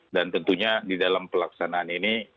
dan tentunya di dalam pelaksanaan ini